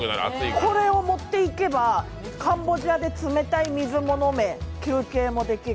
これを持って行けばカンボジアで冷たい水も飲め休憩もできる。